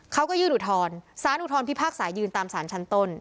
เขาก็ยื่นอุทธรณ์สารอุทธรณพิพากษายืนตามสารชั้นต้น